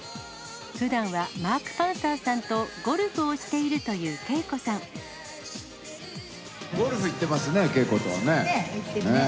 ふだんはマーク・パンサーさんとゴルフをしているというＫＥＩＫゴルフ行ってますね、ＫＥＩね、行っているね。